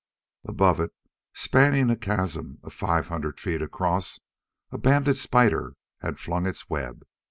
Above it, spanning a chasm five hundred feet across, a banded spider had flung its web.